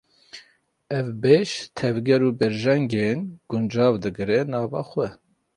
Ev beş, tevger û berjengên guncav digire nava xwe.